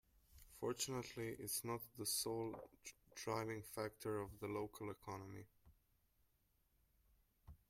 Fortunately its not the sole driving factor of the local economy.